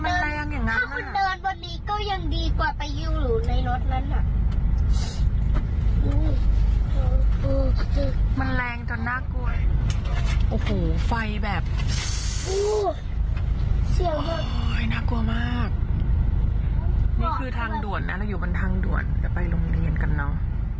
นี่คือทางด่วนน่ะแล้วอยู่บนทางเดือนเราไปโรงเรียนกันเนาะ